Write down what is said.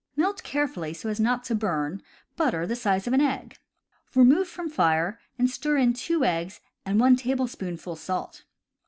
Melt carefully, so as not to burn, butter the size of an egg; remove from fire, and stir in 2 eggs and 1 tablespoonful salt.